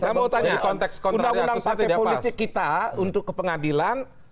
saya mau tanya undang undang partai politik kita untuk ke pengadilan